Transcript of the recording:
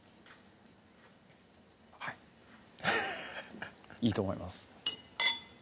はいハハハッいいと思います